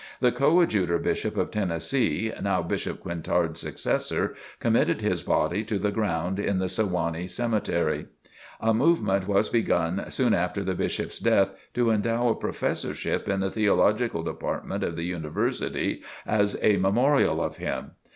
The Coadjutor Bishop of Tennessee, now Bishop Quintard's successor, committed his body to the ground in the Sewanee cemetery. A movement was begun soon after the Bishop's death to endow a professorship in the Theological Department of the University as a memorial of him.